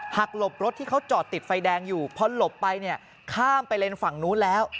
หลบรถที่เขาจอดติดไฟแดงอยู่พอหลบไปเนี่ยข้ามไปเลนส์ฝั่งนู้นแล้ว